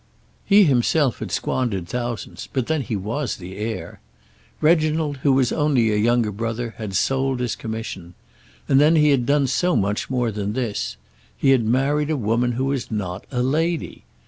He himself had squandered thousands, but then he was the heir. Reginald, who was only a younger brother, had sold his commission. And then he had done so much more than this! He had married a woman who was not a lady!